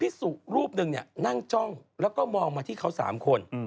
สุรูปหนึ่งนั่งจ้องแล้วก็มองมาที่เขา๓คน